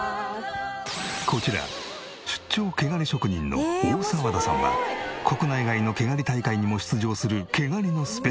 こちら出張毛刈り職人の大沢田さんは国内外の毛刈り大会にも出場する毛刈りのスペシャリスト。